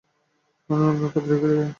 আনুন আপনার পাদ্রি ডেকে।